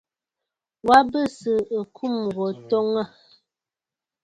Wa bɨ sɨ̀ ɨkum gho twoŋtə̀.